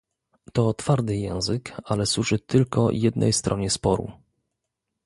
To twardy język, ale służy tylko jednej stronie sporu